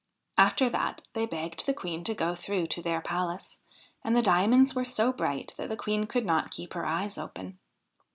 After that they begged the Queen to go through their palace, and the diamonds were so bright that the Queen could not keep her eyes open.